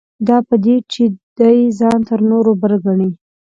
دا په دې چې دی ځان تر نورو بر ګڼي.